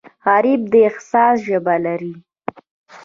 غریب د احساس ژبه لري